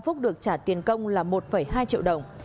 phúc được trả tiền công là một hai triệu đồng